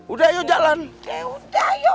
udah jalan ya udah